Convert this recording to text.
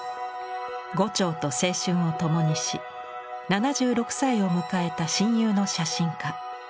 牛腸と青春をともにし７６歳を迎えた親友の写真家。